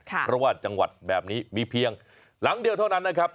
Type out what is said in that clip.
เพราะว่าจังหวัดแบบนี้มีเพียงหลังเดียวเท่านั้นนะครับ